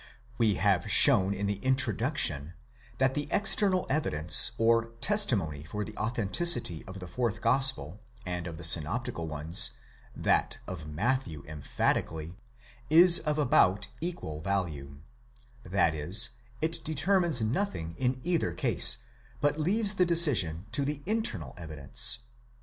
We have shown in the introduction that the external evidence or testimony for the authenticity of the fourth gospel and of the synoptical ones, that of Matthew emphatically, is of about equal value: that is, it determines nothing in either case, but leaves the decision to the internal evidence.